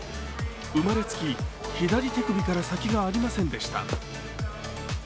生まれつき左手首から先がありませんでした。